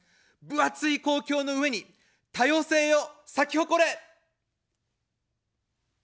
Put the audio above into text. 分厚い公共の上に、多様性よ、咲き誇れ。